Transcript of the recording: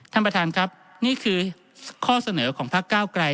ท่านประธานครับนี่คือข้อเสนอของพักเก้าไกร